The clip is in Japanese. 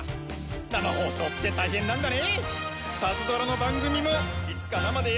生放送って大変なんだね。